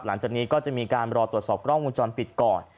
หลังจากนี้ก็จะมีการรอตรวจสอบกล้องวงจรปิดก่อน